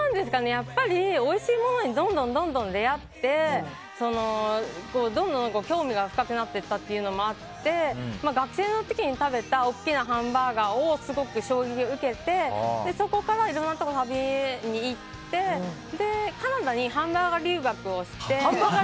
やっぱり、おいしいものにどんどん出会ってどんどん興味が深くなっていったというのもあって学生の時に食べた大きなハンバーガーをすごく衝撃を受けてそこからいろんなところに食べに行ってカナダにハンバーガー留学をして。